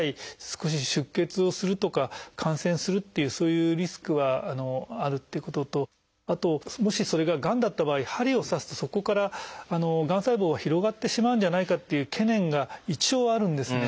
少し出血をするとか感染するっていうそういうリスクがあるっていうこととあともしそれががんだった場合針を刺すとそこからがん細胞が広がってしまうんじゃないかっていう懸念が一応あるんですね。